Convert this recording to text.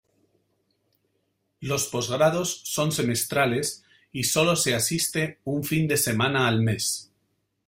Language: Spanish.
Los posgrados son semestrales, y sólo se asiste un fin de semana al mes.